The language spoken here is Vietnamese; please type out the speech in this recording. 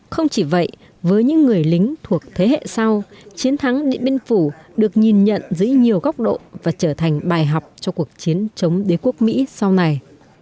không chỉ vậy với những người lính thuộc thế hệ sau chiến thắng điện biên phủ được nhìn nhận dưới nhiều góc độ và trở thành bài học cho cuộc chiến chống đế quốc mỹ sau này